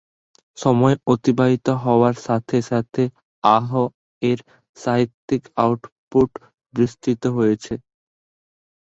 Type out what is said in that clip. সময় অতিবাহিত হওয়ার সাথে সাথে আহ-এর সাহিত্যিক আউটপুট বিস্তৃত হয়েছে।